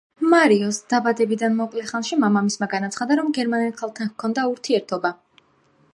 მარიოს დაბადებიდან მოკლე ხანში მამამისმა განაცხადა, რომ გერმანელ ქალთან ჰქონდა ურთიერთობა.